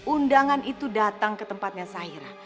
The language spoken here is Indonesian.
undangan itu datang ke tempatnya sahira